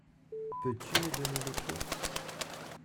Peux-tu me donner les clés?